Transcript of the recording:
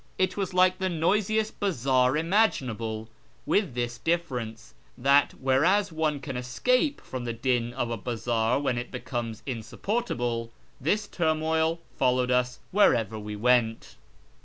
It was like the noisiest bazaar imaginable, with this difference, that whereas one can escape from the din of a bazaar when it becomes insupportable, this turmoil followed us wherever we went.